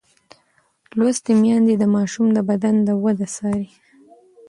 لوستې میندې د ماشوم د بدن د وده څاري.